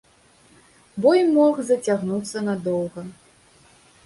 Бой мог зацягнуцца надоўга.